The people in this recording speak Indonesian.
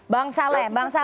bang saleh bang saleh